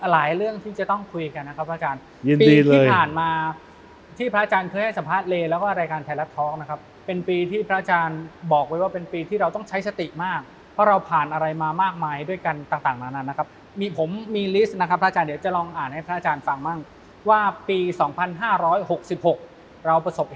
แล้วก็ท่าทางสบายสบายนะครับพระอาจารย์ได้ครับ